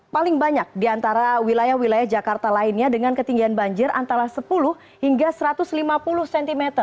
paling banyak di antara wilayah wilayah jakarta lainnya dengan ketinggian banjir antara sepuluh hingga satu ratus lima puluh cm